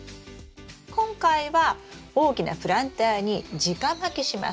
今回は大きなプランターにじかまきします。